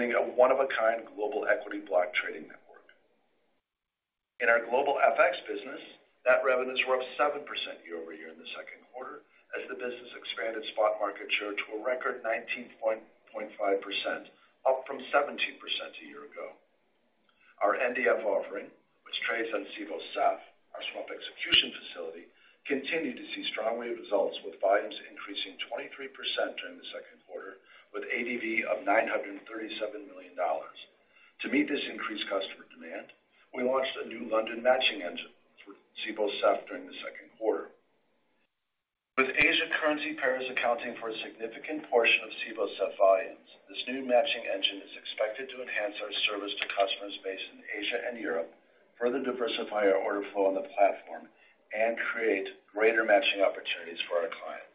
A one-of-a-kind global equity block trading network. In our global FX business, net revenues were up 7% year-over-year in the second quarter as the business expanded spot market share to a record 19.5%, up from 17% a year ago. Our NDF offering, which trades on Cboe SEF, our swap execution facility, continued to see strong results, with volumes increasing 23% during the second quarter, with ADV of $937 million. To meet this increased customer demand, we launched a new London matching engine through Cboe SEF during the second quarter. With Asian currency pairs accounting for a significant portion of Cboe SEF volumes, this new matching engine is expected to enhance our service to customers based in Asia and Europe, further diversify our order flow on the platform, and create greater matching opportunities for our clients.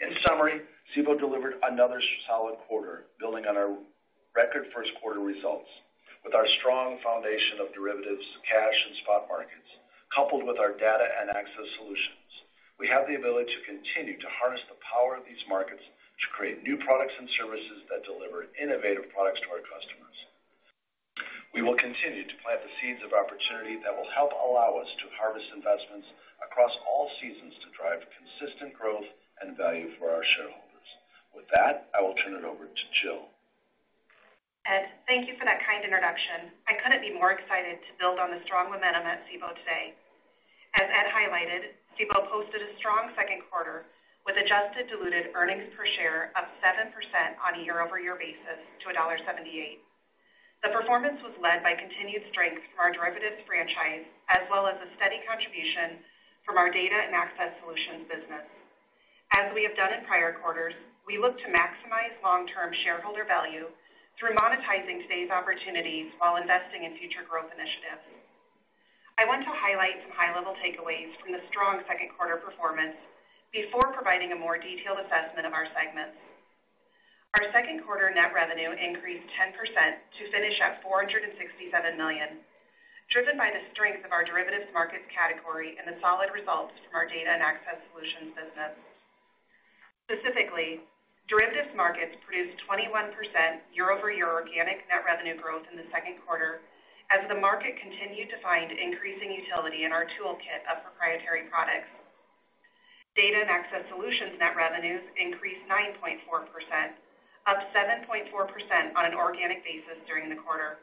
In summary, Cboe delivered another solid quarter, building on our record first quarter results. With our strong foundation of derivatives, cash and spot markets, coupled with our data and access solutions, we have the ability to continue to harness the power of these markets to create new products and services that deliver innovative products to our customers. We will continue to plant the seeds of opportunity that will help allow us to harvest investments across all seasons to drive consistent growth and value for our shareholders. With that, I will turn it over to Jill. Ed, thank you for that kind introduction. I couldn't be more excited to build on the strong momentum at Cboe today. As Ed highlighted, Cboe posted a strong second quarter, with adjusted diluted earnings per share up 7% on a year-over-year basis to $1.78. The performance was led by continued strength from our derivatives franchise, as well as a steady contribution from our data and access solutions business. As we have done in prior quarters, we look to maximize long-term shareholder value through monetizing today's opportunities while investing in future growth initiatives. I want to highlight some high-level takeaways from the strong second quarter performance before providing a more detailed assessment of our segments. Our second quarter net revenue increased 10% to finish at $467 million, driven by the strength of our derivatives markets category and the solid results from our data and access solutions business. Specifically, derivatives markets produced 21% year-over-year organic net revenue growth in the second quarter as the market continued to find increasing utility in our toolkit of proprietary products. Data and access solutions net revenues increased 9.4%, up 7.4% on an organic basis during the quarter.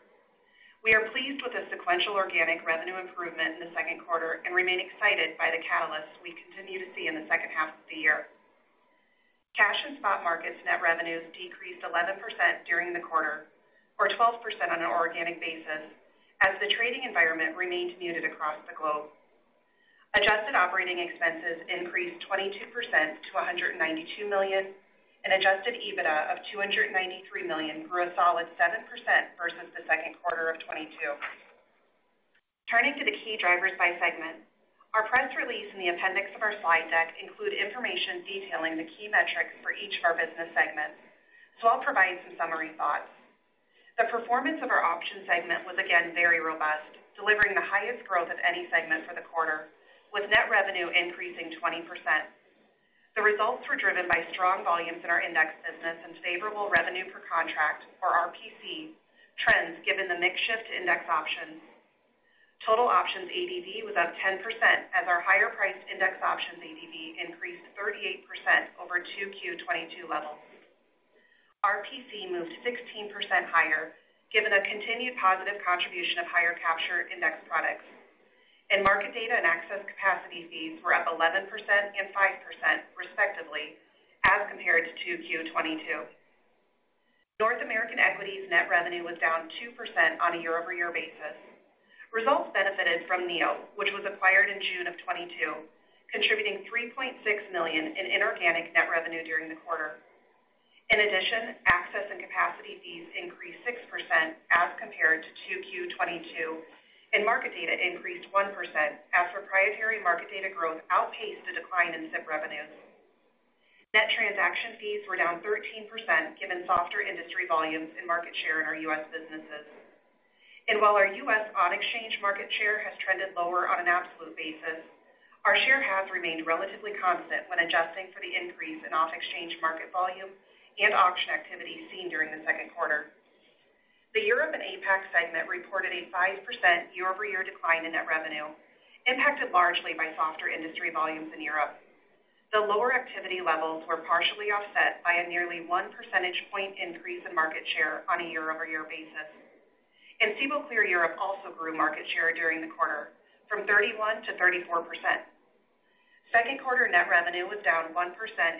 We are pleased with the sequential organic revenue improvement in the second quarter and remain excited by the catalysts we continue to see in the second half of the year. Cash and spot markets net revenues decreased 11% during the quarter, or 12% on an organic basis, as the trading environment remained muted across the globe. Adjusted operating expenses increased 22% to $192 million, and adjusted EBITDA of $293 million grew a solid 7% versus the second quarter of 2022. Turning to the key drivers by segment. Our press release in the appendix of our slide deck include information detailing the key metrics for each of our business segments, I'll provide some summary thoughts. The performance of our options segment was again very robust, delivering the highest growth of any segment for the quarter, with net revenue increasing 20%. The results were driven by strong volumes in our index business and favorable revenue per contract, or RPC, trends, given the mix shift to index options. Total options ADV was up 10% as our higher-priced index options ADV increased 38% over 2Q 2022 levels. RPC moved 16% higher, given a continued positive contribution of higher capture index products. Market data and access capacity fees were up 11% and 5%, respectively, as compared to 2Q 2022. North American equities net revenue was down 2% on a year-over-year basis. Results benefited from NEO, which was acquired in June of 2022, contributing $3.6 million in inorganic net revenue during the quarter. In addition, access and capacity fees increased 6% as compared to 2Q 2022, and market data increased 1%, as proprietary market data growth outpaced the decline in SIP revenues. Net transaction fees were down 13%, given softer industry volumes and market share in our U.S. businesses. While our U.S. on-exchange market share has trended lower on an absolute basis, our share has remained relatively constant when adjusting for the increase in off-exchange market volume and auction activity seen during the second quarter. The Europe and APAC segment reported a 5% year-over-year decline in net revenue, impacted largely by softer industry volumes in Europe. The lower activity levels were partially offset by a nearly one percentage point increase in market share on a year-over-year basis. Cboe Clear Europe also grew market share during the quarter from 31% to 34%. Second quarter net revenue was down 1%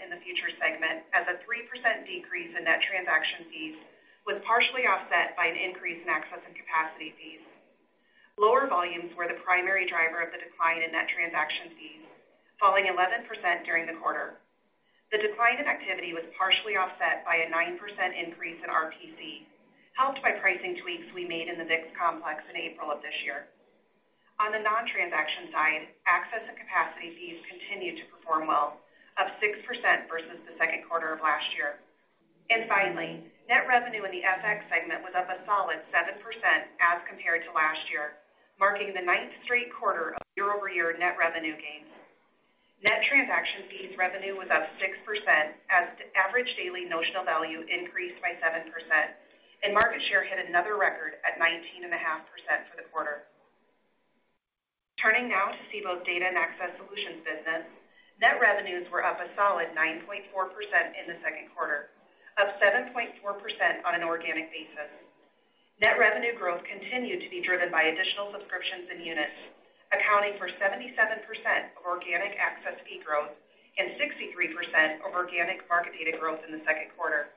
in the futures segment, as a 3% decrease in net transaction fees was partially offset by an increase in access and capacity fees. Lower volumes were the primary driver of the decline in net transaction fees, falling 11% during the quarter. The decline in activity was partially offset by a 9% increase in RPC, helped by pricing tweaks we made in the VIX complex in April of this year. On the non-transaction side, access and capacity fees continued to perform well, up 6% versus the second quarter of last year. Finally, net revenue in the FX segment was up a solid 7% as compared to last year, marking the 9th straight quarter of year-over-year net revenue gains.... transaction fees revenue was up 6% as the average daily notional value increased by 7%, and market share hit another record at 19.5% for the quarter. Turning now to Cboe's data and access solutions business. Net revenues were up a solid 9.4% in the second quarter, up 7.4% on an organic basis. Net revenue growth continued to be driven by additional subscriptions and units, accounting for 77% of organic access fee growth and 63% of organic market data growth in the second quarter.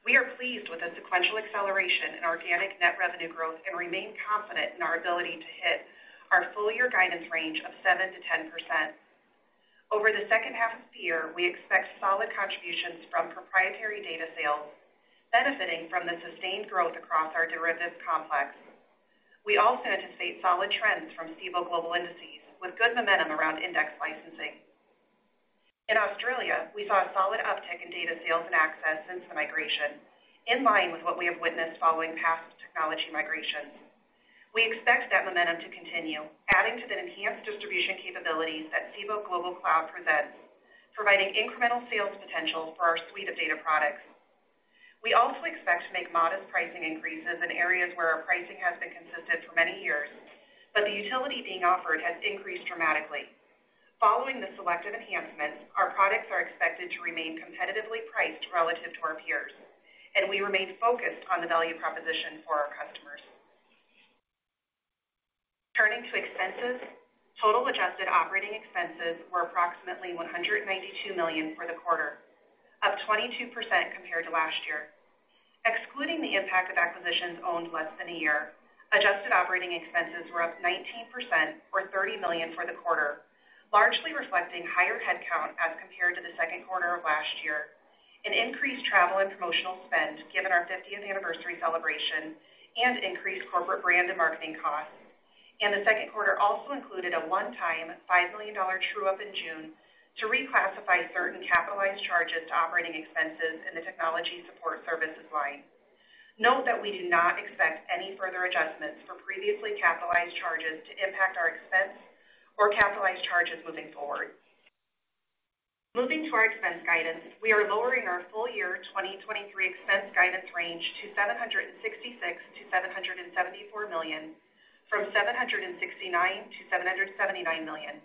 We are pleased with the sequential acceleration in organic net revenue growth and remain confident in our ability to hit our full-year guidance range of 7%-10%. Over the second half of the year, we expect solid contributions from proprietary data sales, benefiting from the sustained growth across our derivatives complex. We also anticipate solid trends from Cboe Global Indices, with good momentum around index licensing. In Australia, we saw a solid uptick in data sales and access since the migration, in line with what we have witnessed following past technology migrations. We expect that momentum to continue, adding to the enhanced distribution capabilities that Cboe Global Cloud presents, providing incremental sales potential for our suite of data products. We also expect to make modest pricing increases in areas where our pricing has been consistent for many years, but the utility being offered has increased dramatically. Following the selective enhancements, our products are expected to remain competitively priced relative to our peers, and we remain focused on the value proposition for our customers. Turning to expenses, total adjusted operating expenses were approximately $192 million for the quarter, up 22% compared to last year. Excluding the impact of acquisitions owned less than a year, adjusted operating expenses were up 19% or $30 million for the quarter, largely reflecting higher headcount as compared to the second quarter of last year, increased travel and promotional spend, given our 50th anniversary celebration and increased corporate brand and marketing costs. The second quarter also included a one-time $5 million true-up in June to reclassify certain capitalized charges to operating expenses in the technology support services line. Note that we do not expect any further adjustments for previously capitalized charges to impact our expense or capitalized charges moving forward. Moving to our expense guidance, we are lowering our full-year 2023 expense guidance range to $766 million-$774 million, from $769 million-$779 million.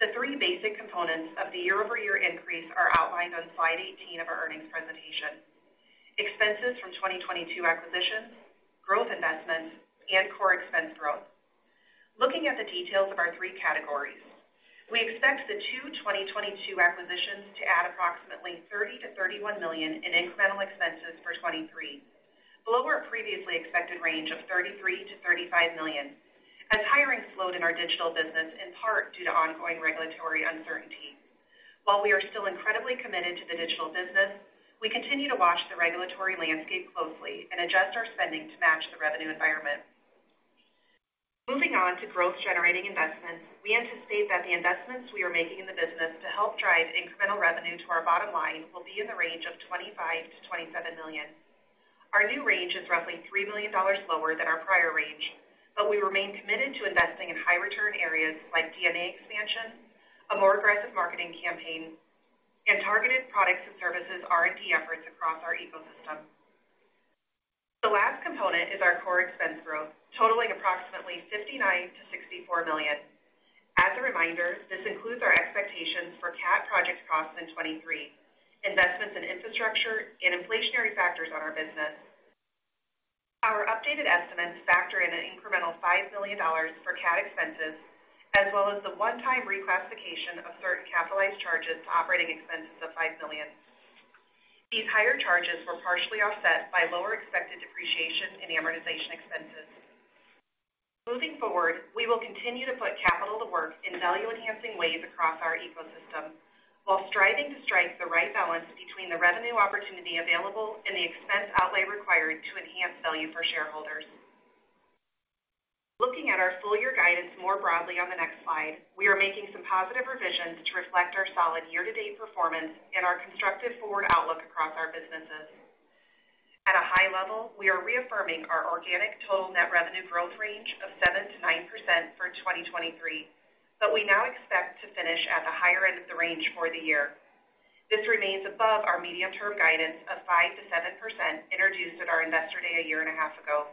The three basic components of the year-over-year increase are outlined on slide 18 of our earnings presentation. Expenses from 2022 acquisitions, growth investments, and core expense growth. Looking at the details of our three categories, we expect the two 2022 acquisitions to add approximately $30 million-$31 million in incremental expenses for 2023, below our previously expected range of $33 million-$35 million, as hiring slowed in our digital business, in part due to ongoing regulatory uncertainty. While we are still incredibly committed to the digital business, we continue to watch the regulatory landscape closely and adjust our spending to match the revenue environment. Moving on to growth-generating investments, we anticipate that the investments we are making in the business to help drive incremental revenue to our bottom line will be in the range of $25 million-$27 million. Our new range is roughly $3 million lower than our prior range, but we remain committed to investing in high-return areas like DNA expansion, a more aggressive marketing campaign, and targeted products and services R&D efforts across our ecosystem. The last component is our core expense growth, totaling approximately $59 million-$64 million. As a reminder, this includes our expectations for CAT project costs in 2023, investments in infrastructure and inflationary factors on our business. Our updated estimates factor in an incremental $5 million for CAT expenses, as well as the one-time reclassification of certain capitalized charges to operating expenses of $5 million. These higher charges were partially offset by lower expected depreciation and amortization expenses. Moving forward, we will continue to put capital to work in value-enhancing ways across our ecosystem, while striving to strike the right balance between the revenue opportunity available and the expense outlay required to enhance value for shareholders. Looking at our full-year guidance more broadly on the next slide, we are making some positive revisions to reflect our solid year-to-date performance and our constructive forward outlook across our businesses. At a high level, we are reaffirming our organic total net revenue growth range of 7%-9% for 2023. We now expect to finish at the higher end of the range for the year. This remains above our medium-term guidance of 5%-7% introduced at our Investor Day a year and a half ago,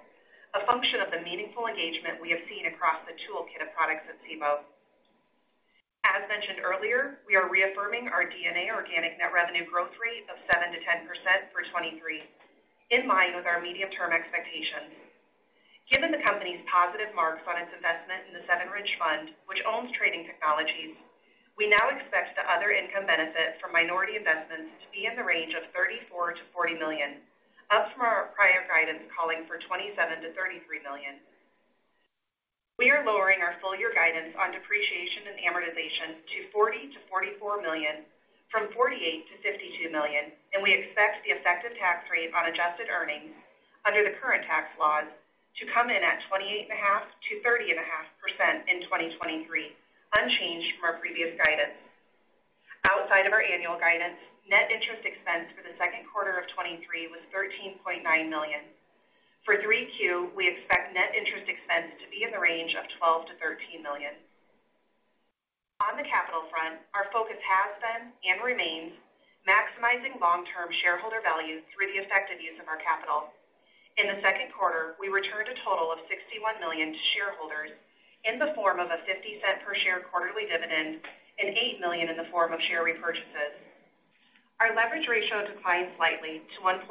a function of the meaningful engagement we have seen across the toolkit of products at Cboe. As mentioned earlier, we are reaffirming our DNA organic net revenue growth rate of 7%-10% for 2023, in line with our medium-term expectations. Given the company's positive marks on its investment in the 7RIDGE Fund, which owns Trading Technologies, we now expect the other income benefit from minority investments to be in the range of $34 million-$40 million, up from our prior guidance, calling for $27 million-$33 million. We are lowering our full-year guidance on depreciation and amortization to $40 million-$44 million, from $48 million-$52 million, and we expect the effective tax rate on adjusted earnings under the current tax laws to come in at 28.5%-30.5% in 2023, unchanged from our previous guidance. Outside of our annual guidance, net interest expense for the second quarter of 2023 was $13.9 million. For 3Q, we expect net interest expense to be in the range of $12 million-$13 million. On the capital front, our focus has been and remains maximizing long-term shareholder value through the effective use of our capital. In the second quarter, we returned a total of $61 million to shareholders in the form of a $0.50 per share quarterly dividend and $8 million in the form of share repurchases. Our leverage ratio declined slightly to 1.4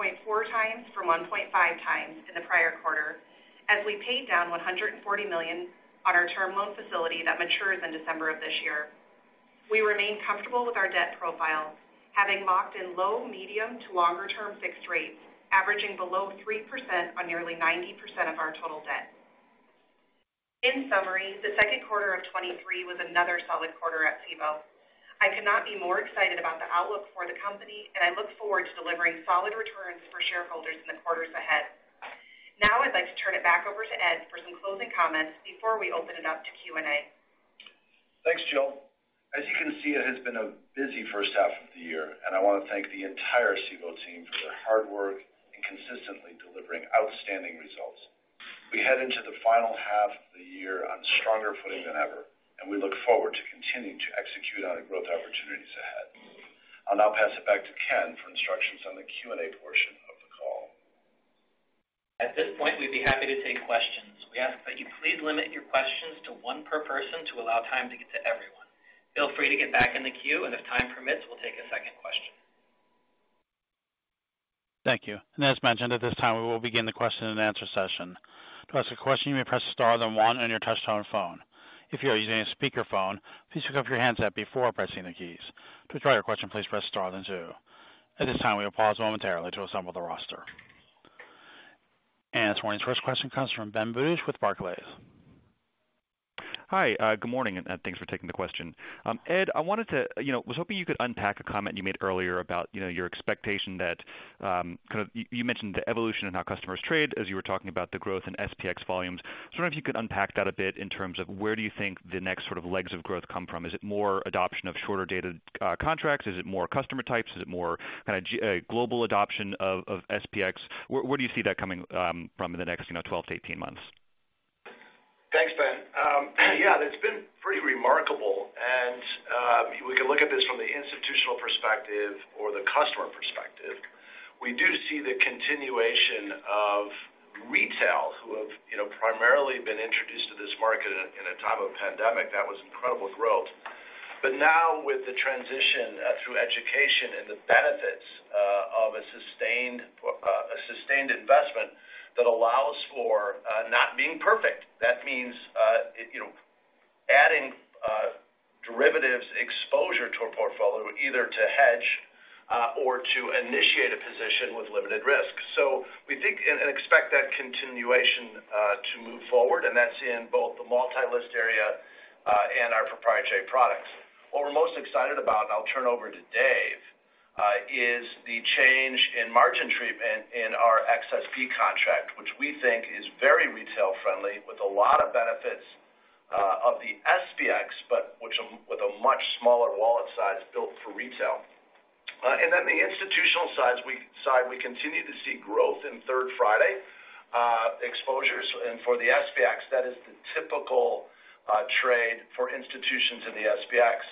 times from 1.5 times in the prior quarter, as we paid down $140 million on our term loan facility that matures in December of this year. We remain comfortable with our debt profile, having locked in low, medium to longer-term fixed rates, averaging below 3% on nearly 90% of our total debt. In summary, the second quarter of 2023 was another solid quarter at Cboe. I could not be more excited about the outlook for the company. I look forward to delivering solid returns for shareholders in the quarters ahead. Now, I'd like to turn it back over to Ed for some closing comments before we open it up to Q&A. Thanks, Jill. As you can see, it has been a busy first half of the year, and I want to thank the entire Cboe team for their hard work in consistently delivering outstanding results. We head into the final half of the year on stronger footing than ever, and we look forward to continuing to execute on the growth opportunities ahead. I'll now pass it back to Ken for instructions on the Q&A portion of the call. At this point, we'd be happy to take questions. We ask that you please limit your questions to one per person to allow time to get to everyone. Feel free to get back in the queue, and if time permits, we'll take a second question. Thank you. As mentioned, at this time, we will begin the question-and-answer session. To ask a question, you may press star then one on your touch-tone phone. If you are using a speakerphone, please pick up your handset before pressing the keys. To withdraw your question, please press star then two. At this time, we will pause momentarily to assemble the roster. This morning's first question comes from Ben Budish with Barclays. Hi, good morning, and thanks for taking the question. Ed, I wanted to, you know, was hoping you could unpack a comment you made earlier about, you know, your expectation that you mentioned the evolution in how customers trade as you were talking about the growth in SPX volumes. I wonder if you could unpack that a bit in terms of where do you think the next sort of legs of growth come from? Is it more adoption of shorter dated contracts? Is it more customer types? Is it more global adoption of SPX? Where, where do you see that coming from in the next, you know, 12 to 18 months? Thanks, Ben. Yeah, it's been pretty remarkable, and we can look at this from the institutional perspective or the customer perspective. We do see the continuation of retail, who have, you know, primarily been introduced to this market in a, in a time of a pandemic. That was incredible growth. Now with the transition, through education and the benefits of a sustained, a sustained investment that allows for not being perfect, that means, you know, adding derivatives exposure to a portfolio, either to hedge or to initiate a position with limited risk. We think and expect that continuation to move forward, and that's in both the multi-list area and our proprietary products. What we're most excited about, I'll turn it over to Dave, is the change in margin treatment in our XSP contract, which we think is very retail friendly, with a lot of benefits of the SPX, but with a much smaller wallet size built for retail. Then the institutional side, we continue to see growth in third Friday exposures. For the SPX, that is the typical trade for institutions in the SPX.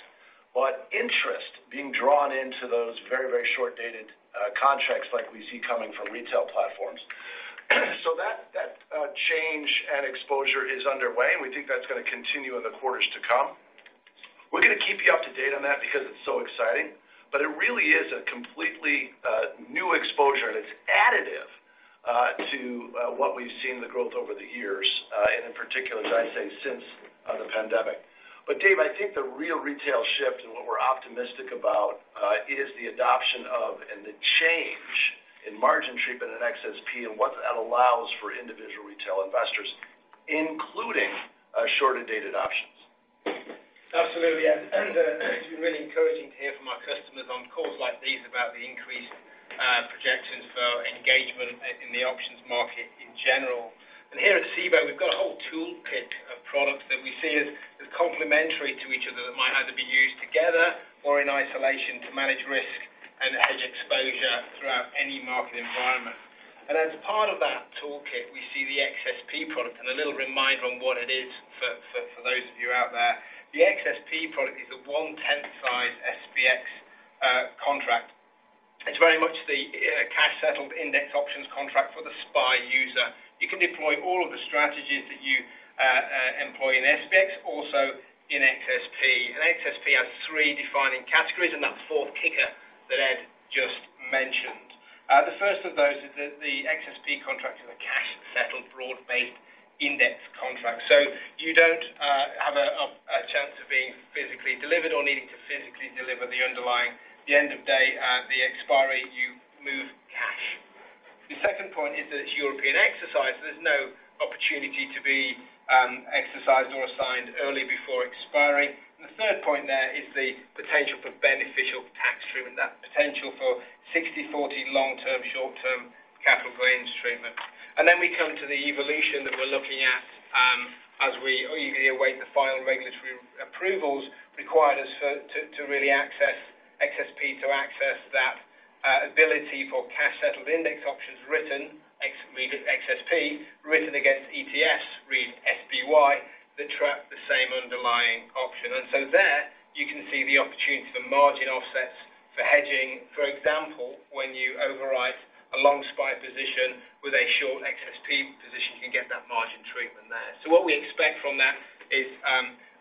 Interest being drawn into those very, very short-dated contracts like we see coming from retail platforms. That, that change and exposure is underway, and we think that's going to continue in the quarters to come. We're going to keep you up to date on that because it's so exciting, but it really is a completely new exposure, and it's additive to what we've seen the growth over the years, and in particular, as I say, since the pandemic. Dave, I think the real retail shift and what we're optimistic about is the adoption of and the change in margin treatment in XSP and what that allows for individual retail investors, including shorter dated options. Absolutely, it's really encouraging to hear from our customers on calls like these about the increased projections for engagement in the options market in general. Here at Cboe, we've got a whole toolkit of products that we see as complementary to each other, that might either be used together or in isolation to manage risk and hedge exposure throughout any market environment. As a part of that toolkit, we see the XSP product. A little reminder on what it is for those of you out there, the XSP product is a 1/10th size SPX contract. It's very much the cash-settled index options contract for the SPY user. You can deploy all of the strategies that you employ in SPX, also in XSP. XSP has three defining categories, and that fourth kicker that Ed just mentioned. The first of those is that the XSP contract is a cash-settled, broad-based index contract. You don't have a chance of being physically delivered or needing to physically deliver the underlying. The end of day, the expiry, you move cash. The second point is that it's European exercise, there's no opportunity to be exercised or assigned early before expiring. The third point there is the potential for beneficial tax treatment, that potential for 60/40 long-term, short-term capital gains treatment. We come to the evolution that we're looking at. We await the final regulatory approvals required as for, to, to really access XSP, to access that ability for cash-settled index options written ex- read XSP, written against ETFs, read SPY, that track the same underlying option. There, you can see the opportunity for margin offsets, for hedging, for example, when you override a long SPY position with a short XSP position, you can get that margin treatment there. What we expect from that is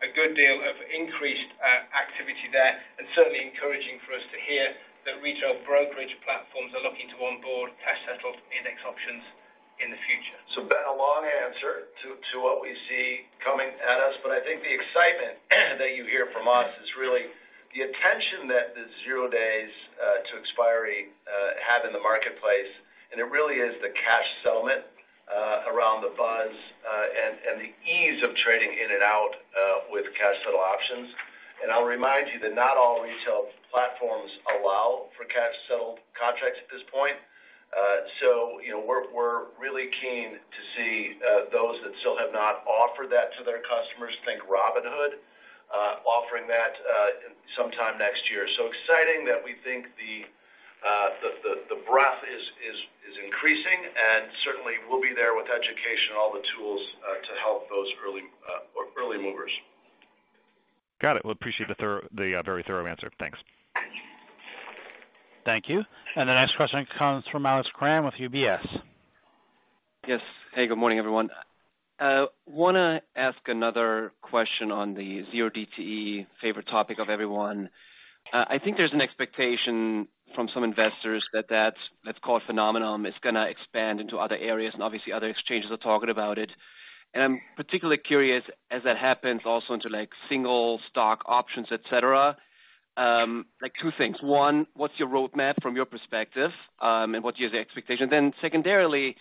a good deal of increased activity there, and certainly encouraging for us to hear that retail brokerage platforms are looking to onboard cash-settled index options in the future. Ben, a long answer to, to what we see coming at us, but I think the excitement that you hear from us is really the attention that the zero days to expiry have in the marketplace, and it really is the cash settlement around the buzz, and the ease of trading in and out with cash-settled options. I'll remind you that not all retail platforms allow for cash-settled contracts at this point. You know, we're, we're really keen to see those that still have not offered that to their customers, think Robinhood, offering that sometime next year. Exciting that we think the breadth is increasing, and certainly we'll be there with education and all the tools to help those early, or early movers. Got it. Appreciate the very thorough answer. Thanks. Thank you. The next question comes from Alex Kramm with UBS. Yes. Hey, good morning, everyone. Wanna ask another question on the 0DTE, favorite topic of everyone. I think there's an expectation from some investors that, let's call it phenomenon, it's gonna expand into other areas. Obviously other exchanges are talking about it. I'm particularly curious, as that happens also into, like, single stock options, et cetera, two things. One, what's your roadmap from your perspective, and what are the expectations? Secondarily,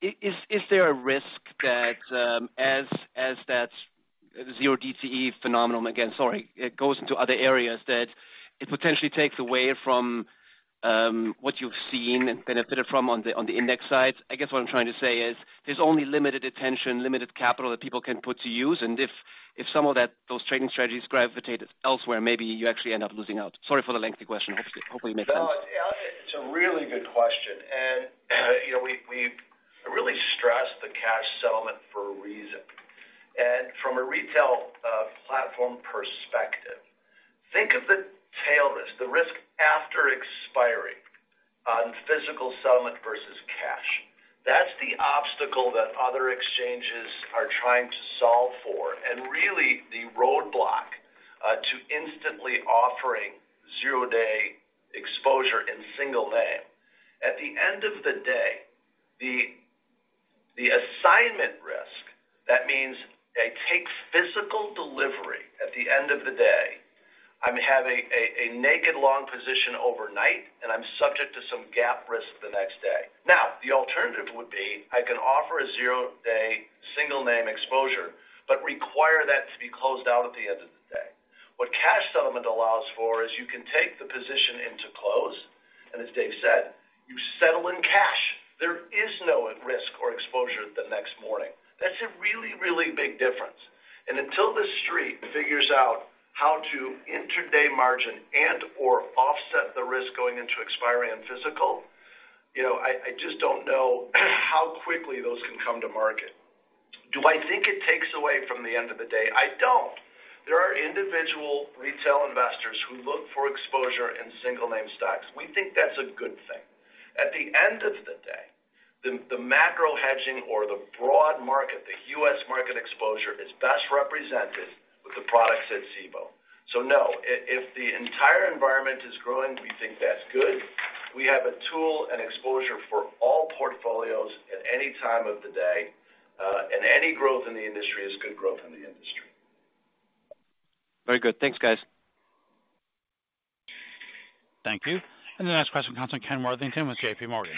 is there a risk that, as, as that 0DTE phenomenon, again, sorry, it goes into other areas, that it potentially takes away from what you've seen and benefited from on the, on the index side? I guess what I'm trying to say is, there's only limited attention, limited capital that people can put to use, and if, if some of that, those trading strategies gravitated elsewhere, maybe you actually end up losing out. Sorry for the lengthy question. Hopefully, hopefully, you make sense. Well, yeah, it's a really good question, and, you know, we've, we've really stressed the cash settlement for a reason. From a retail platform perspective, think of the tail risk, the risk after expiry on physical settlement versus cash. That's the obstacle that other exchanges are trying to solve for, and really the roadblock to instantly offering zero-day exposure in single name. At the end of the day, the, the assignment risk, that means I take physical delivery at the end of the day, I'm having a, a naked long position overnight, and I'm subject to some gap risk the next day. Now, the alternative would be, I can offer a zero-day single name exposure, but require that to be closed out at the end of the day. What cash settlement allows for is you can take the position into close. As Dave said, you settle in cash. There is no at risk or exposure the next morning. That's a really, really big difference. Until this street figures out how to intraday margin and/or offset the risk going into expiry and physical, you know, I, I just don't know how quickly those can come to market. Do I think it takes away from the end of the day? I don't. There are individual retail investors who look for exposure in single name stocks. We think that's a good thing. At the end of the day, the, the macro hedging or the broad market, the U.S. market exposure, is best represented with the products at Cboe. No, if the entire environment is growing, we think that's good. We have a tool and exposure for all portfolios at any time of the day, and any growth in the industry is good growth in the industry. Very good. Thanks, guys. Thank you. The next question comes from Ken Worthington with JPMorgan.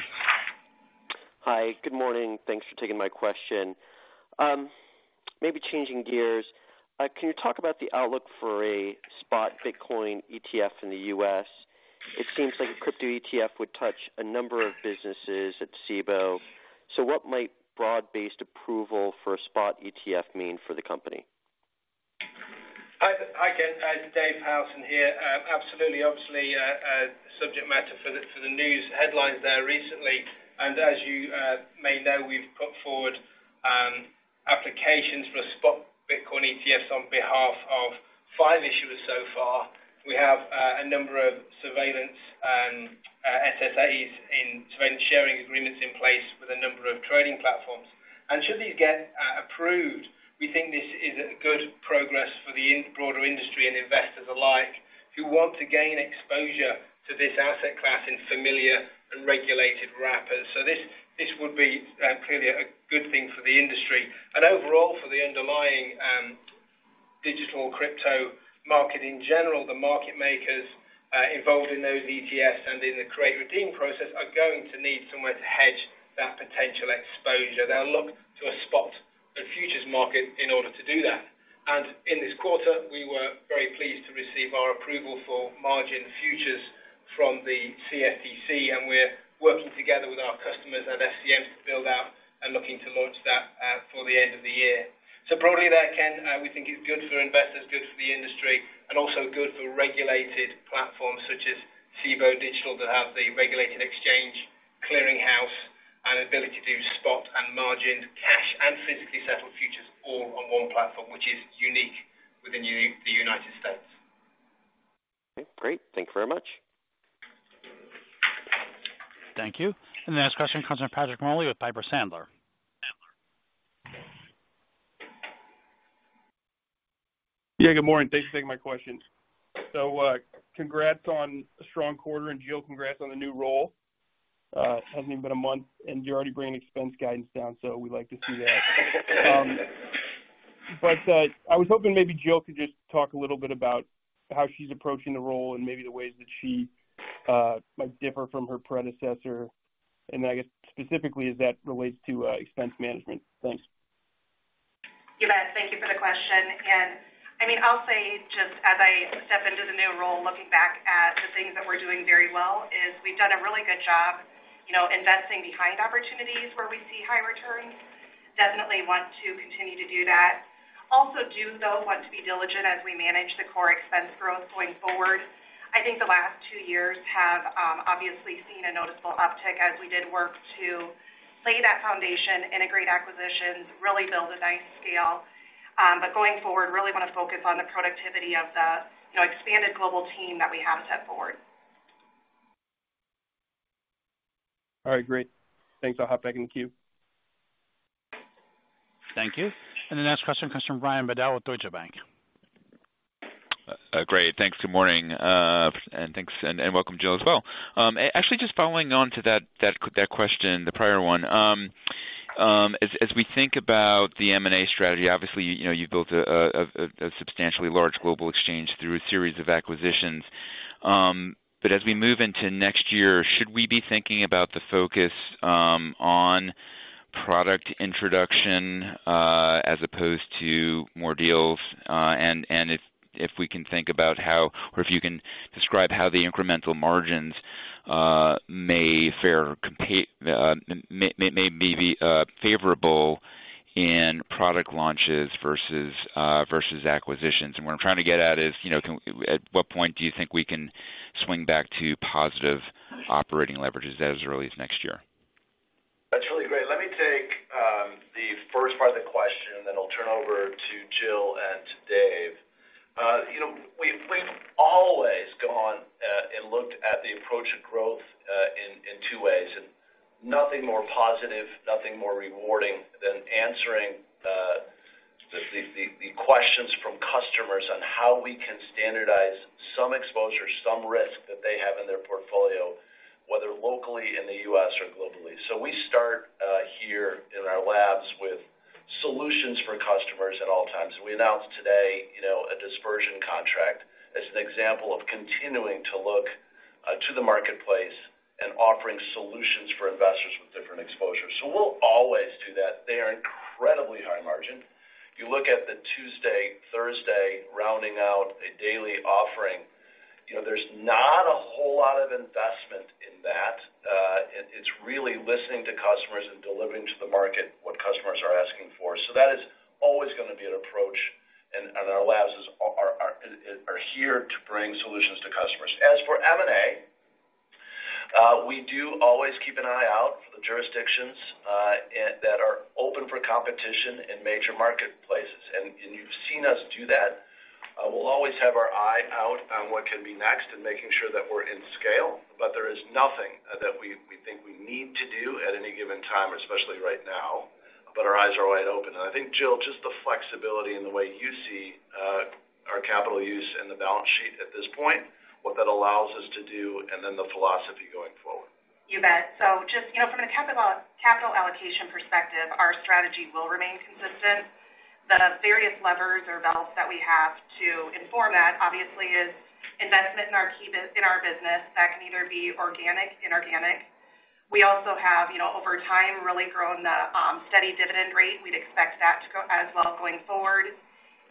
Hi, good morning. Thanks for taking my question. Maybe changing gears, can you talk about the outlook for a spot Bitcoin ETF in the U.S.? It seems like a crypto ETF would touch a number of businesses at Cboe. What might broad-based approval for a spot ETF mean for the company? Hi, hi, Ken. Dave Howson here. Absolutely, obviously, a subject matter for the news headlines there recently, as you may know, we've put forward applications for a spot Bitcoin ETFs on behalf of five issuers so far. We have a number of surveillance and SSAs in, so sharing agreements in place with a number of trading platforms. Should these get approved, we think this is a good progress for the broader industry and investors alike, who want to gain exposure to this asset class in familiar and regulated wrappers. This, this would be clearly a good thing for the industry. Overall, for the underlying digital crypto market in general, the market makers involved in those ETFs and in the create redeem process, are going to need somewhere to hedge that potential exposure. They'll look to a spot, the futures market, in order to do that. In this quarter, we were very pleased to receive our approval for margin futures from the CFTC, and we're working together with our customers at SCM to build out and looking to launch that for the end of the year. Broadly there, Ken, we think it's good for investors, good for the industry, and also good for regulated platforms such as Cboe Digital, that have the regulated exchange, clearing house, and ability to do spot and margined cash and physically settled futures all on one platform, which is unique within the United States. Okay, great. Thank you very much. Thank you. The next question comes from Patrick Moley with Piper Sandler. Yeah, good morning. Thanks for taking my questions. Congrats on a strong quarter, and Jill, congrats on the new role. It hasn't even been a month, and you're already bringing expense guidance down, so we like to see that. I was hoping maybe Jill could just talk a little bit about how she's approaching the role and maybe the ways that she might differ from her predecessor, and then, I guess, specifically as that relates to expense management. Thanks. You bet. Thank you for the question. I mean, I'll say, just as I step into the new role, looking back at the things that we're doing very well, is we've done a really good job, you know, investing behind opportunities where we see high returns. Definitely want to continue to do that. Also do, though, want to be diligent as we manage the core expense growth going forward. I think the last two years have obviously seen a noticeable uptick as we did work to lay that foundation, integrate acquisitions, really build a nice scale. Going forward, really want to focus on the productivity of the, you know, expanded global team that we have set forward. All right, great. Thanks. I'll hop back in the queue. Thank you. The next question comes from Brian Bedell with Deutsche Bank. Great. Thanks. Good morning, and thanks, and, and welcome, Jill, as well. Actually, just following on to that, that, that question, the prior one, as, as we think about the M&A strategy, obviously, you know, you've built a, a, a, a substantially large global exchange through a series of acquisitions. As we move into next year, should we be thinking about the focus on product introduction, as opposed to more deals? If, if we can think about how, or if you can describe how the incremental margins may fare compa- may, may, may be favorable in product launches versus versus acquisitions. What I'm trying to get at is, you know, can -- at what point do you think we can swing back to positive operating leverages, as early as next year? That's really great. Let me take the first part of the question, then I'll turn over to Jill and to Dave. We've always gone and looked at the approach of growth in two ways. Nothing more positive, nothing more rewarding than answering the questions from customers on how we can standardize some exposure, some risk that they have in their portfolio, whether locally in the U.S. or globally. We start here in our labs with solutions for customers at all times. We announced today a dispersion contract as an example of continuing to look to the marketplace and offering solutions for investors with different exposures. We'll always do that. They are incredibly high margin. You look at the Tuesday, Thursday, rounding out a daily offering, you know, there's not a whole lot of investment in that. It's really listening to customers and delivering to the market what customers are asking for. That is always going to be an approach, and our labs are here to bring solutions to customers. As for M&A, we do always keep an eye out for the jurisdictions and that are open for competition in major marketplaces, and you've seen us do that. We'll always have our eye out on what can be next and making sure that we're in scale, but there is nothing that we, we think we need to do at any given time, especially right now, but our eyes are wide open. I think, Jill, just the flexibility in the way you see, our capital use and the balance sheet at this point, what that allows us to do, and then the philosophy going forward. You bet. Just, you know, from a capital, capital allocation perspective, our strategy will remain consistent. The various levers or valves that we have to inform that, obviously, is investment in our key in our business that can either be organic, inorganic. We also have, you know, over time, really grown the steady dividend rate. We'd expect that to go as well going forward.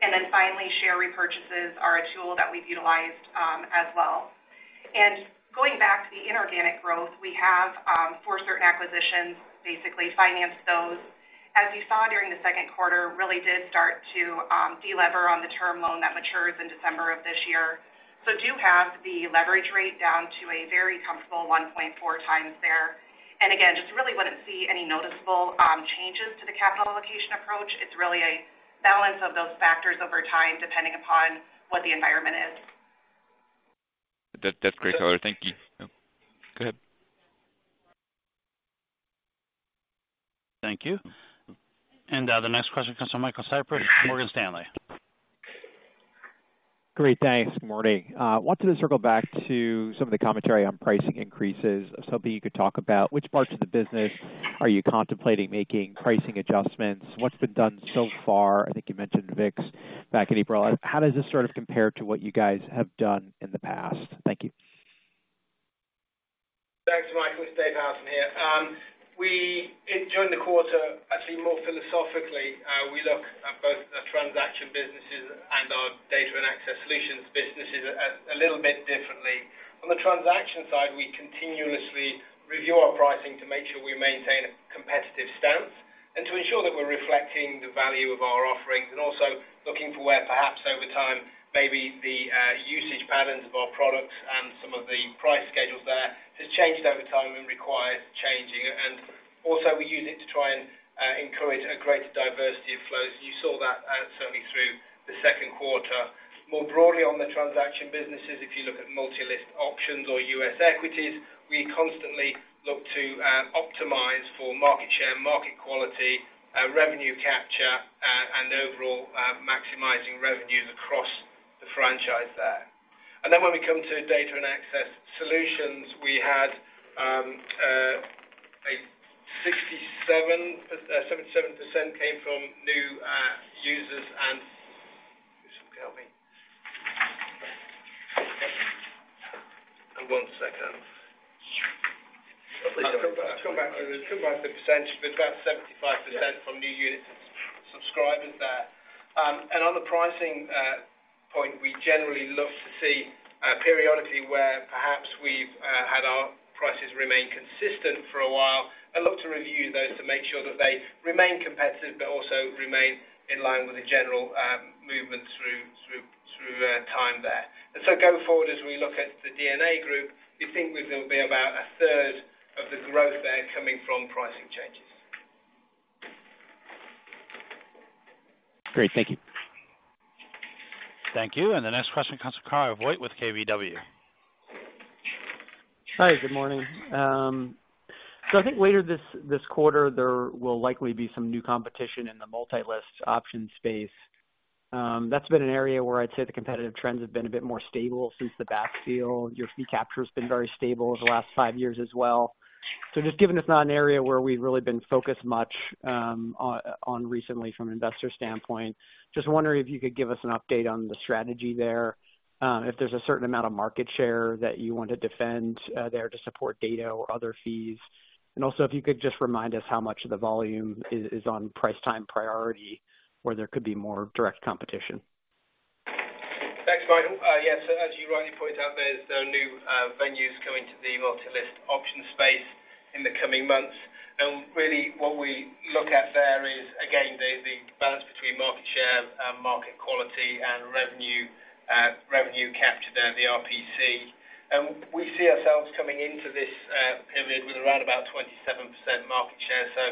Then finally, share repurchases are a tool that we've utilized as well. Going back to the inorganic growth, we have for certain acquisitions, basically financed those. As you saw during the second quarter, really did start to delever on the term loan that matures in December of this year. Do have the leverage rate down to a very comfortable 1.4 tiimes there. Again, just really wouldn't see any noticeable changes to the capital allocation approach. It's really a balance of those factors over time, depending upon what the environment is. That, that's great, that's all. Thank you. Go ahead. Thank you. The next question comes from Michael Cyprys, Morgan Stanley. Great, thanks. Good morning. wanted to circle back to some of the commentary on pricing increases, so that you could talk about which parts of the business are you contemplating making pricing adjustments? What's been done so far? I think you mentioned VIX back in April. How does this sort of compare to what you guys have done in the past? Thank you. Michael, it's Dave Howson here. We, during the quarter, actually, more philosophically, we look at both the transaction businesses and our data and access solutions businesses a, a little bit differently. On the transaction side, we continuously review our pricing to make sure we maintain a competitive stance, and to ensure that we're reflecting the value of our offerings, and also looking for where perhaps over time, maybe the usage patterns of our products and some of the price schedules there, has changed over time and requires changing. Also, we use it to try and encourage a greater diversity of flows. You saw that certainly through the second quarter. More broadly on the transaction businesses, if you look at multi-list options or U.S. equities, we constantly look to optimize for market share, market quality, revenue capture, and overall maximizing revenues across the franchise there. Then when we come to data and access solutions, we had a 67, 77% came from new users. Can you help me? One second. I'll come back to the, come back to the percentage, but about 75% from new unit subscribers there. On the pricing point, we generally look to see periodically where perhaps we've had our prices remain consistent for a while, and look to review those to make sure that they remain competitive, but also remain in line with the general movement through, through, through time there. Going forward, as we look at the DNA group, you think there will be about a third of the growth there coming from pricing changes. Great. Thank you. Thank you. The next question comes from Kyle Voigt with KBW. Hi, good morning. I think later this quarter, there will likely be some new competition in the multi-list option space. That's been an area where I'd say the competitive trends have been a bit more stable since the back half. Your fee capture has been very stable over the last five years as well. Just given it's not an area where we've really been focused much on recently from an investor standpoint, just wondering if you could give us an update on the strategy there, if there's a certain amount of market share that you want to defend there to support data or other fees? If you could just remind us how much of the volume is on price-time priority, where there could be more direct competition. Thanks, Kyle. Yes, as you rightly pointed out, there's new venues coming to the multi-list auction space in the coming months. Really, what we look at there is, again, the balance between market share and market quality and revenue, revenue capture there, the RPC. We see ourselves coming into this period with around about 27% market share, so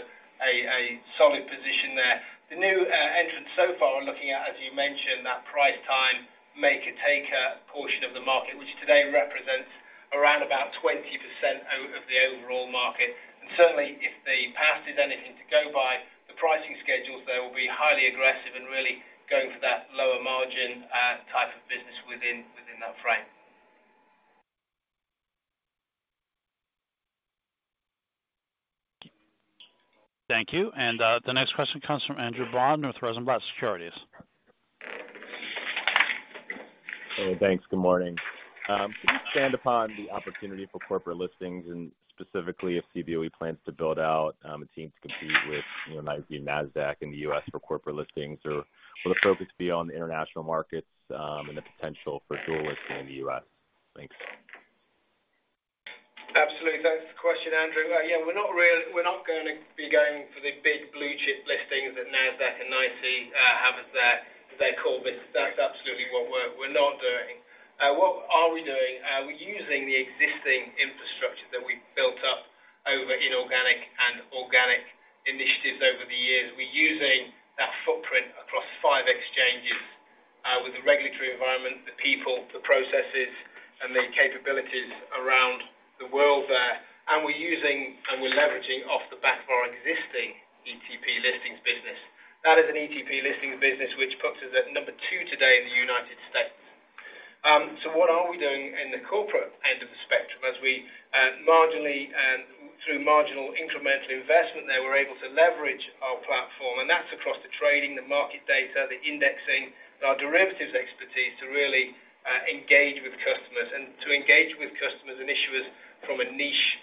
a solid position there. The new entrants so far are looking at, as you mentioned, that price-time, maker-taker portion of the market, which today represents around about 20% out of the overall market. Certainly, if the past is anything to go by, the pricing schedules, they will be highly aggressive and really going for that lower margin type of business within, within that frame. Thank you. The next question comes from Andrew Bond with Rosenblatt Securities. Hey, thanks. Good morning. Could you expand upon the opportunity for corporate listings, and specifically if Cboe plans to build out a team to compete with, you know, maybe Nasdaq in the U.S. for corporate listings? Or will the focus be on the international markets and the potential for dual listing in the U.S.? Thanks. Absolutely. Thanks for the question, Andrew. Yeah, we're not gonna be going for the big blue-chip listings that Nasdaq and NYSE have as their core business. That's absolutely what we're not doing. What are we doing? We're using the existing infrastructure that we've built up over inorganic and organic initiatives over the years. We're using that footprint across five exchanges with the regulatory environment, the people, the processes, and the capabilities around the world there. We're using and we're leveraging off the back of our existing ETP listings business. That is an ETP listings business, which puts us at number two today in the United States. What are we doing in the corporate end of the spectrum? As we marginally, through marginal incremental investment there, we're able to leverage our platform, and that's across the trading, the market data, the indexing, our derivatives expertise to really engage with customers. To engage with customers and issuers from a niche,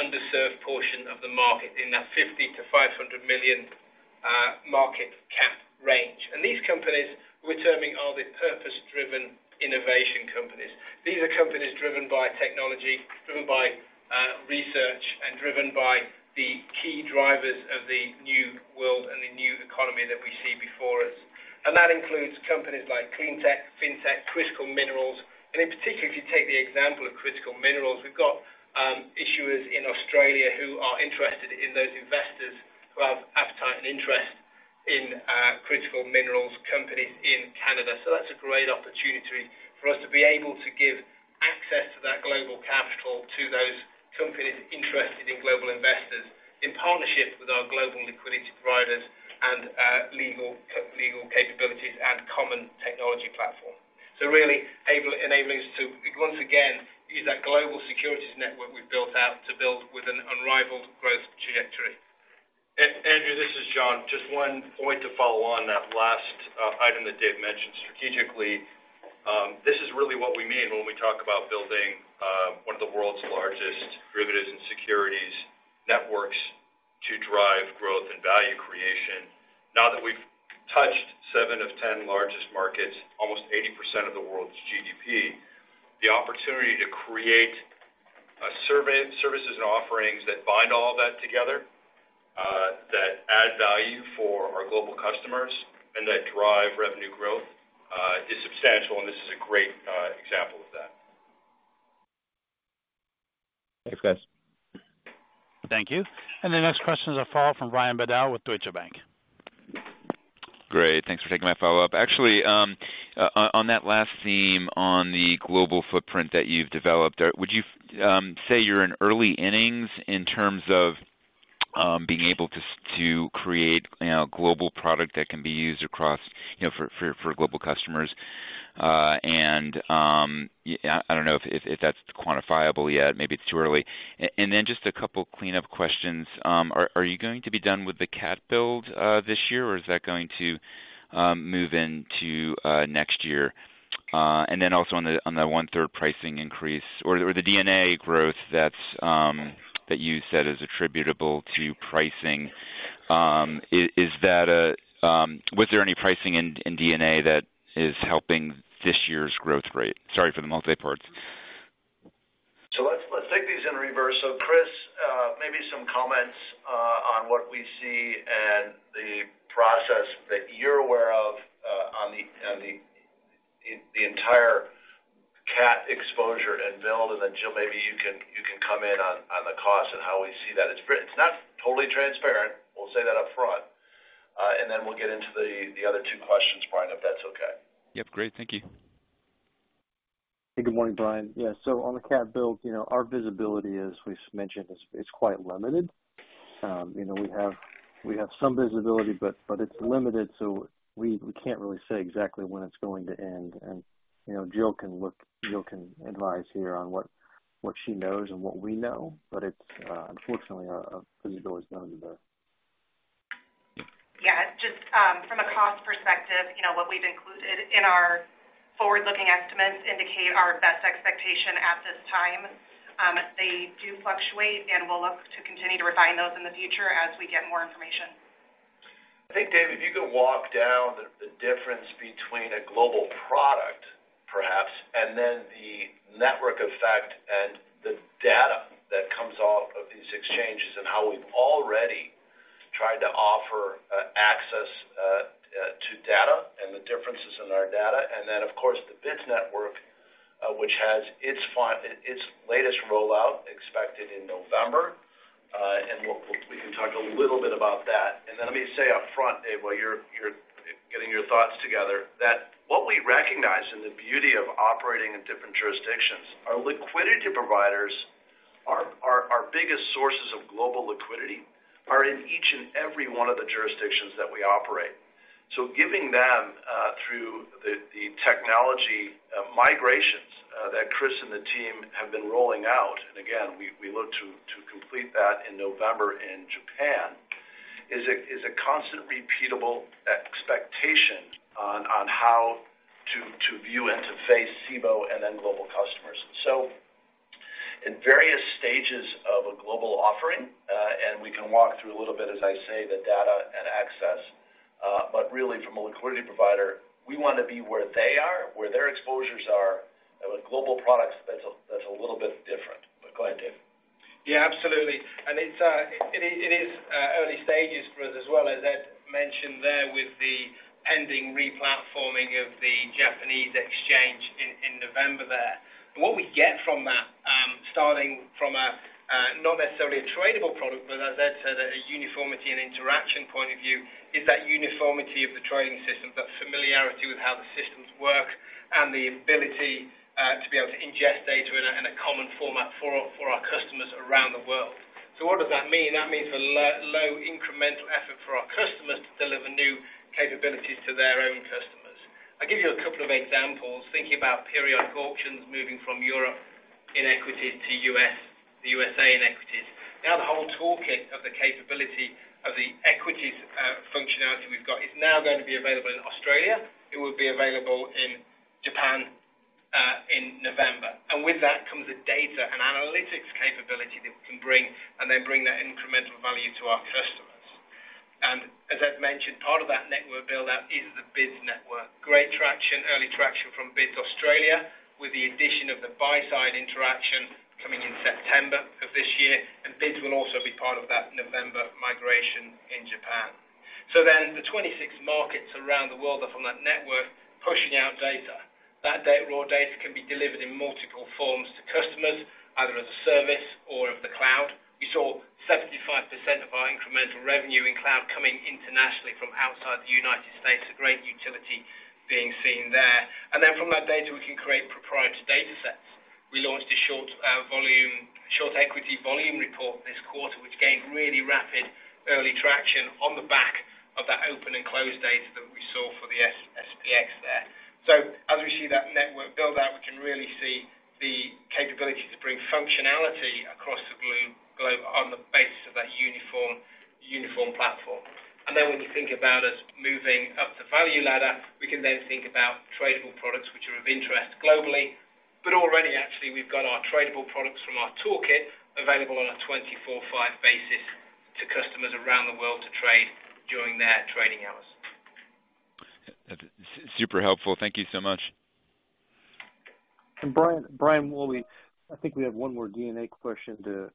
underserved portion of the market in that 50 million-500 million market cap range. These companies, we're terming, are the purpose-driven innovation companies. These are companies driven by technology, driven by research, and driven by the key drivers of the new world and the new economy that we see before us. That includes companies like clean tech, fintech, critical minerals. In particular, if you take the example of critical minerals, we've got issuers in Australia who are interested in those investors who have appetite and interest in critical minerals companies in Canada. That's a great opportunity for us to be able to give access to that global capital to those companies interested in global investors, in partnership with our global liquidity providers and legal capabilities and common technology platform. Really, enabling us to, once again, use that global securities network we've built out to build with an unrivaled growth trajectory. Andrew, this is John. Just one point to follow on that last item that Dave mentioned strategically. This is really what we mean when we talk about building one of the world's largest derivatives and securities networks to drive growth and value creation. Now that we've touched seven of 10 largest markets, almost 80% of the world's GDP, the opportunity to create services and offerings that bind all that together, that add value for our global customers and that drive revenue growth, is substantial, and this is a great example of that. Thanks, guys. Thank you. The next question is a follow-up from Brian Bedell with Deutsche Bank. Great. Thanks for taking my follow-up. Actually, on that last theme on the global footprint that you've developed, would you say you're in early innings in terms of being able to create, you know, a global product that can be used across, you know, for, for, for global customers? Yeah, I, I don't know if, if that's quantifiable yet. Maybe it's too early. Then just a couple clean up questions. Are, are you going to be done with the CAT build this year, or is that going to move into next year? Then also on the, on the one-third pricing increase or, or the DNA growth that's, that you said is attributable to pricing, is, is that a, was there any pricing in, in DNA that is helping this year's growth rate? Sorry for the multi parts. Let's, let's take these in reverse. Chris, maybe some comments on what we see and the process that you're aware of, on the, on the, the, the entire CAT exposure and build, and then, Jill, maybe you can, you can come in on, on the cost and how we see that. It's not totally transparent, we'll say that upfront. Then we'll get into the, the other two questions, Brian, if that's okay. Yep. Great. Thank you. Good morning, Brian. Yeah, on the CAT build, you know, our visibility, as we've mentioned, is, is quite limited. You know, we have, we have some visibility, but, but it's limited, we, we can't really say exactly when it's going to end. You know, Jill can advise here on what, what she knows and what we know, but it's unfortunately, our, our visibility is limited there. Yeah, just from a cost perspective, you know, what we've included in our forward-looking estimates indicate our best expectation at this time. They do fluctuate, and we'll look to continue to refine those in the future as we get more information. I think, Dave, if you could walk down the, the difference between a global product, perhaps, and then the network effect and the data that comes off of these exchanges, and how we've already tried to offer access to data and the differences in our data. Then, of course, the BIDS network, which has its latest rollout expected in November. We can talk a little bit about that. Then let me say upfront, Dave, while you're, you're getting your thoughts together, that what we recognize and the beauty of operating in different jurisdictions, our liquidity providers, our, our, our biggest sources of global liquidity are in each and every one of the jurisdictions that we operate. Giving them through the technology migrations that Chris and the team have been rolling out, and again, we look to complete that in November in Japan, is a, is a constant repeatable expectation on, on how to view and to face Cboe and then global customers. In various stages of a global offering, and we can walk through a little bit, as I say, the data and access, but really from a liquidity provider, we want to be where they are, where their exposures are, and with global products, that's a, that's a little bit different. Go ahead, Dave. Yeah, absolutely. It's, it is, it is early stages for us as well, as Ed mentioned there, with the pending replatforming of the Japanese exchange in November there. What we get from that, starting from a not necessarily a tradable product, but as Ed said, a uniformity and interaction point of view, is that uniformity of the trading system, that familiarity with how the systems work and the ability to be able to ingest data in a common format for our customers around the world. What does that mean? That means a low incremental effort for our customers to deliver new capabilities to their own customers. I'll give you a couple of examples, thinking about periodic auctions moving from Europe in equities to U.S., the U.S.A. in equities. Now, the whole toolkit of the capability of the equities functionality we've got is now going to be available in Australia. It will be available in Japan in November. With that comes the data and analytics capability that we can bring, and then bring that incremental value to our customers. As Ed mentioned, part of that network build-out is the BIDS network. Great traction, early traction from BIDS Australia, with the addition of the buy side interaction coming in September of this year, and BIDS will also be part of that November migration in Japan. Then the 26 markets around the world are from that network, pushing out data. That raw data can be delivered in multiple forms to customers, either as a service or of the cloud. We saw 75% of our incremental revenue in cloud coming internationally from outside the United States, a great utility being seen there. Then from that data, we can create proprietary data sets. We launched a Short Equity Volume Report this quarter, which gained really rapid early traction on the back of that open and close data that we saw for the SPX there. As we see that network build out, we can really see capability to bring functionality across the globe on the basis of that uniform, uniform platform. Then when we think about us moving up the value ladder, we can then think about tradable products which are of interest globally. Already, actually, we've got our tradable products from our toolkit available on a 24/5 basis to customers around the world to trade during their trading hours. Super helpful. Thank you so much. Brian, Brian Wooley, I think we have one more DNA question to answer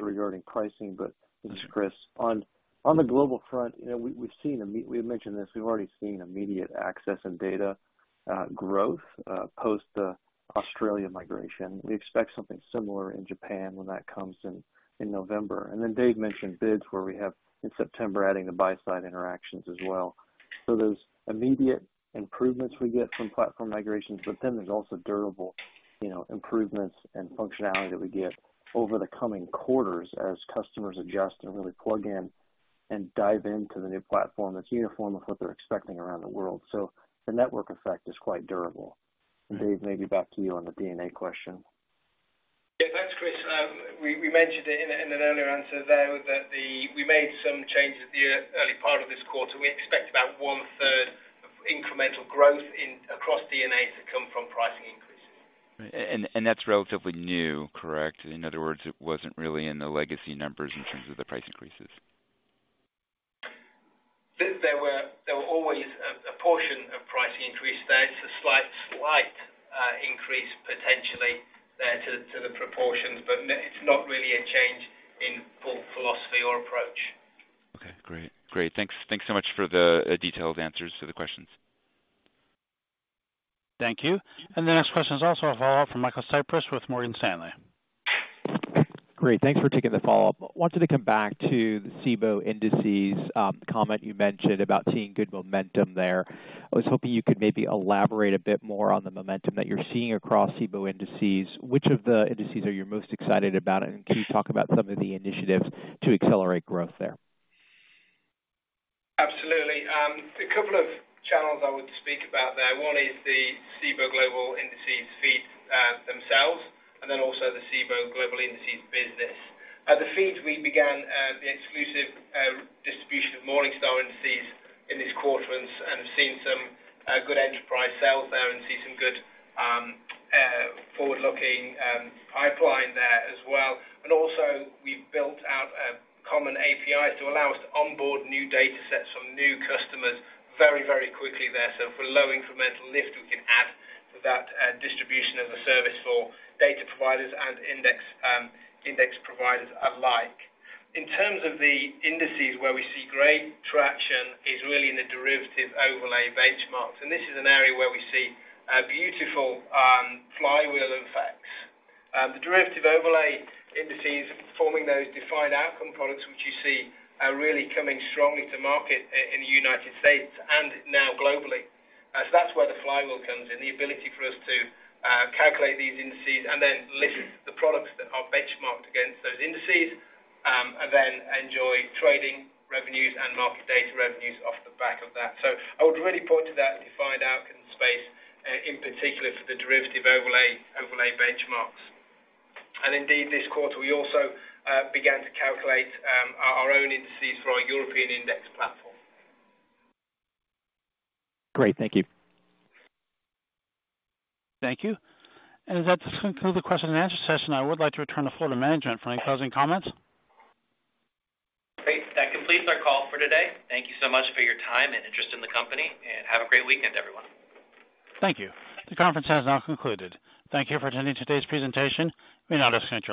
regarding pricing, but this is Chris. On, on the global front, you know, we, we've seen we had mentioned this, we've already seen immediate access and data growth post the Australia migration. We expect something similar in Japan when that comes in, in November. Then Dave mentioned BIDS, where we have in September, adding the buy-side interactions as well. There's immediate improvements we get from platform migrations, but then there's also durable, you know, improvements and functionality that we get over the coming quarters as customers adjust and really plug in and dive into the new platform that's uniform with what they're expecting around the world. The network effect is quite durable. Dave, maybe back to you on the DNA question. Yeah, thanks, Chris. We, we mentioned it in, in an earlier answer there, that we made some changes the early part of this quarter. We expect about 1/3 of incremental growth across DNA to come from pricing increases. And that's relatively new, correct? In other words, it wasn't really in the legacy numbers in terms of the price increases. There were, there were always a portion of pricing increase there. It's a slight increase potentially there to the proportions, but it's not really a change in philosophy or approach. Okay, great. Great. Thanks, thanks so much for the detailed answers to the questions. Thank you. The next question is also a follow-up from Michael Cyprys with Morgan Stanley. Great, thanks for taking the follow-up. I wanted to come back to the Cboe indices, comment you mentioned about seeing good momentum there. I was hoping you could maybe elaborate a bit more on the momentum that you're seeing across Cboe indices. Which of the indices are you most excited about, and can you talk about some of the initiatives to accelerate growth there? Absolutely. A couple of channels I would speak about there. One is the Cboe Global Indices feeds themselves, and then also the Cboe Global Indices business. At the feeds, we began the exclusive distribution of Morningstar indices in this quarter, and have seen some good enterprise sales there and see some good forward-looking pipeline there as well. Also, we've built out a common API to allow us to onboard new datasets from new customers very, very quickly there. For low incremental lift, we can add to that distribution as a service for data providers and index index providers alike. In terms of the indices, where we see great traction is really in the derivative overlay benchmarks, and this is an area where we see beautiful flywheel effects. The derivative overlay indices, forming those defined outcome products, which you see are really coming strongly to market in the United States and now globally. That's where the flywheel comes in, the ability for us to calculate these indices and then list the products that are benchmarked against those indices, and then enjoy trading revenues and market data revenues off the back of that. I would really point to that defined outcome space in particular for the derivative overlay, overlay benchmarks. Indeed, this quarter, we also began to calculate our own indices for our European index platform. Great, thank you. Thank you. As that does conclude the question and answer session, I would like to return the floor to management for any closing comments. Great. That completes our call for today. Thank you so much for your time and interest in the company. Have a great weekend, everyone. Thank you. The conference has now concluded. Thank you for attending today's presentation. You may now disconnect your line.